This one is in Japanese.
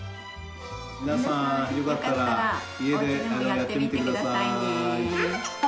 皆さんよかったらおうちでもやってみて下さいね。